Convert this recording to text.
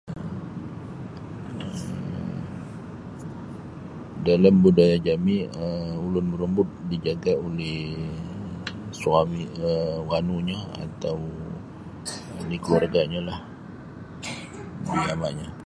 Dalam budaya jami' um ulun marumbut dijaga' oleh suami um wanunyo atau ali' kaluarga'nyolah indu yama'nyo.